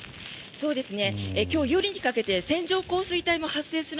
そうですね。